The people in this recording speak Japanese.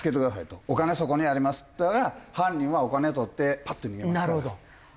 「お金そこにあります」って言ったら犯人はお金を取ってパッと逃げますから。